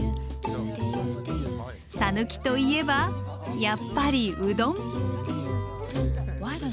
讃岐といえばやっぱりうどん！